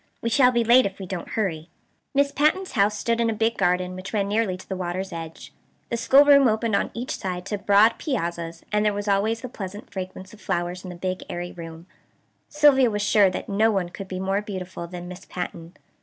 We shall be late if we don't hurry." Miss Patten's house stood in a big garden which ran nearly to the water's edge. The schoolroom opened on each side to broad piazzas, and there was always the pleasant fragrance of flowers in the big airy room. Sylvia was sure that no one could be more beautiful than Miss Patten.